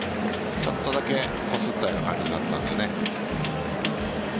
ちょっとだけこすったような感じだったので。